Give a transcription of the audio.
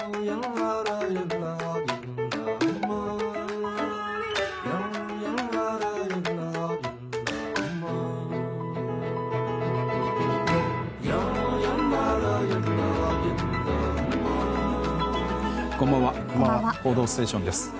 「報道ステーション」です。